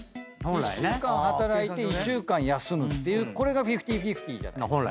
１週間働いて１週間休むっていうこれがフィフティーフィフティーじゃないですか。